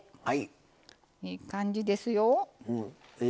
ええ感じですよ。